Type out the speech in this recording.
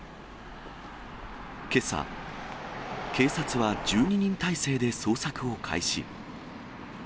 けさ、警察は１２人態勢で捜索を開始。